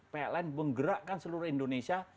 pln menggerakkan seluruh indonesia